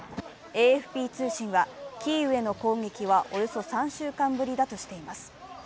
ＡＦＰ通信は、キーウへの攻撃はおよそ３週間ぶりだとしています。